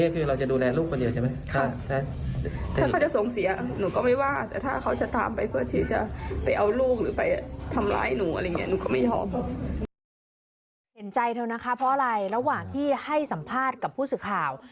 เพราะอะไรระหว่างที่ให้สัมภาษณ์กับผู้สื่อข่าว